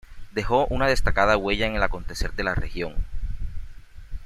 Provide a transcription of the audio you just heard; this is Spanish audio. Dejó una destacada huella en el acontecer de la región.